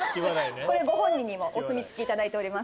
これ、ご本人にもお墨付きいただいております。